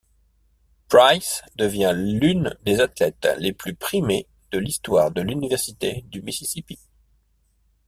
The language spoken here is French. Price devient l'une des athlètes les plus primées de l'histoire de l'université du Mississippi.